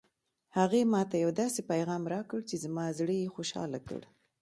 هغې ما ته یو داسې پېغام راکړ چې زما زړه یې خوشحاله کړ